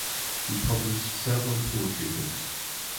He published several poetry books.